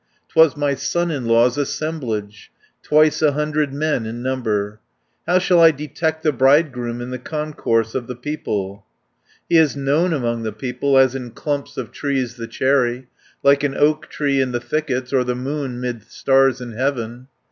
'Twas my son in law's assemblage, Twice a hundred men in number. "How shall I detect the bridegroom In the concourse of the people? He is known among the people, As in clumps of trees the cherry, Like an oak tree in the thickets, Or the moon, 'mid stars in heaven.